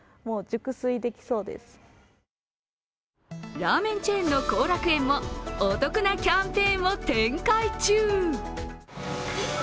ラーメンチェーンの幸楽苑もお得なキャンペーンを展開中。